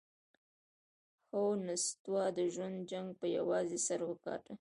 هو، نستوه د ژوند جنګ پهٔ یوازې سر وګاټهٔ!